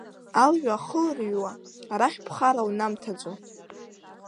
Алҩа ахылҩруа арахь ԥхара унамҭаӡо…